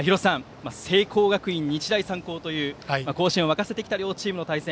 聖光学院と日大三高という甲子園を沸かせてきた両チームの対戦。